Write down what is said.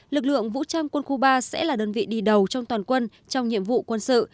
lực lượng vũ trang quân khu ba sẽ là đơn vị đi đầu trong toàn quân trong nhiệm vụ quân sự